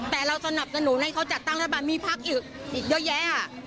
แต่เราสนับสนุนให้เขาจัดตั้งรัฐบาลมีพักอีกเยอะแยะ